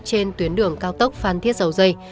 trên tuyến đường cao tốc phan thiết dầu dày